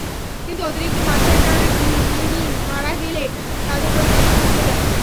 কিন্তু অতিরিক্ত মারধরের কারণে মুনিম মারা গেলে তাঁদের পরিকল্পনা ভেস্তে যায়।